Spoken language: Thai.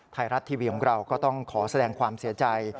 ไทยรัฐทีวีของเราก็ต้องขอแสดงความเสียใจ